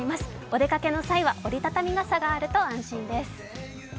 お出かけの際は、折り畳み傘があると安心です。